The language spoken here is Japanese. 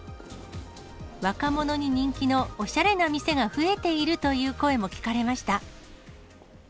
若者に人気のおしゃれな店が増えているという声も聞かれました。